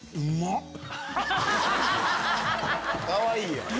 かわいいやん。